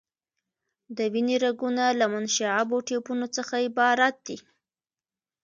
د وینې رګونه له منشعبو ټیوبونو څخه عبارت دي.